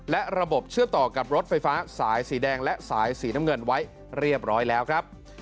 และระบบเชื่อมต่อกับรถไฟฟ้าสายสีแดงและสายสีน้ำเงินไว้เรียบร้อยแล้วครับ